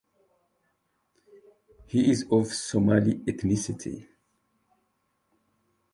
He is of Somali ethnicity.